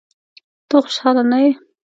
ته خوشاله نه یې؟